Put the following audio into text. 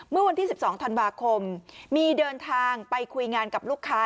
เมื่อวันที่๑๒ธันวาคมมีเดินทางไปคุยงานกับลูกค้า